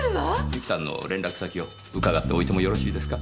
美紀さんの連絡先を伺っておいてもよろしいですか？